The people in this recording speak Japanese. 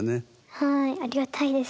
はいありがたいです。